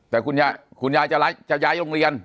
แต่คุณยายจะย้ายโรงเรียน